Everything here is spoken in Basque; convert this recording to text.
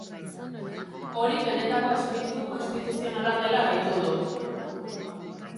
Hori benetako espiritu konstituzionala dela gehitu du.